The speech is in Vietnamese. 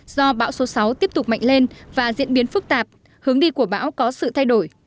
do bão số sáu tiếp tục mạnh lên và diễn biến phức tạp hướng đi của bão có sự thay đổi